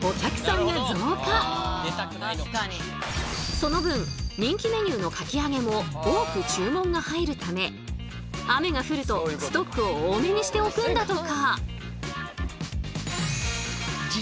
その分人気メニューのかき揚げも多く注文が入るため雨が降るとストックを多めにしておくんだとか。